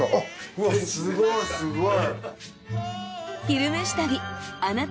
うわすごいすごい。